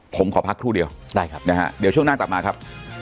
ผมขอพักครู่เดียวได้ครับนะฮะเดี๋ยวช่วงหน้ากลับมาครับ